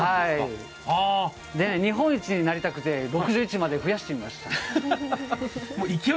日本一になりたくて、６１まで増やしてみました。